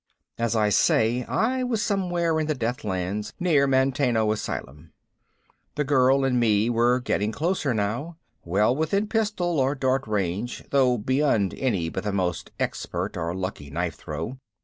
As I say, I was somewhere in the Deathlands near Manteno Asylum. The girl and me were getting closer now, well within pistol or dart range though beyond any but the most expert or lucky knife throw.